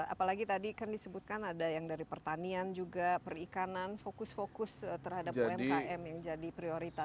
apalagi tadi kan disebutkan ada yang dari pertanian juga perikanan fokus fokus terhadap umkm yang jadi prioritas